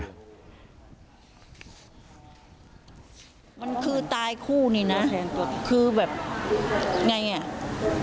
มันคือตายคู่นี่นะคือแบบไงอ่ะ